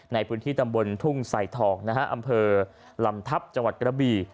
ในพื้นที่ตำบลทุ่งใส่ทองนะฮะอำเภอลำทัพจังหวัดกระบี่